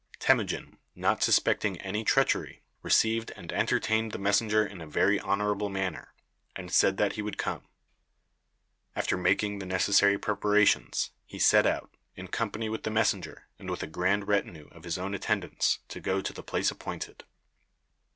Temujin, not suspecting any treachery, received and entertained the messenger in a very honorable manner, and said that he would come. After making the necessary preparations, he set out, in company with the messenger and with a grand retinue of his own attendants, to go to the place appointed.